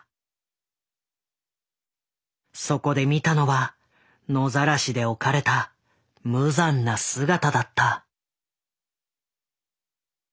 そこで見たのは野ざらしで置かれた無残な姿だった。